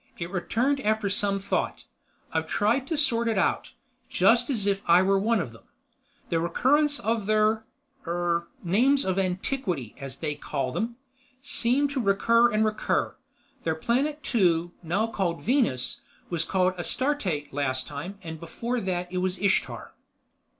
It returned after some thought: "I've tried to sort it out, just as if I were one of them. The recurrence of their ... er ... 'names of antiquity' as they call them, seem to recur and recur. Their Planet Two, now called Venus, was called Astarte last time, and before that it was Ishtar."